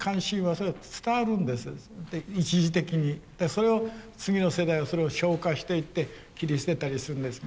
それを次の世代はそれを消化していって切り捨てたりするんですが。